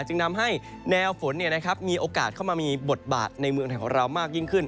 จึงทำให้แนวฝนมีโอกาสเข้ามามีบทบาทในเมืองไทยของเรามากยิ่งขึ้น